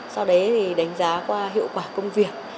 sau đấy thì đánh giá qua hiệu quả công việc